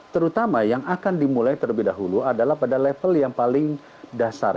terutama yang akan dimulai terlebih dahulu adalah pada level yang paling dasar